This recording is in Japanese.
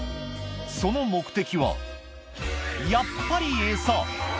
その目的はやっぱりエサ！